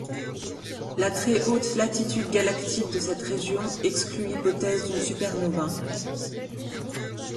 La très haute latitude galactique de cette région exclut l'hypothèse d'une supernova.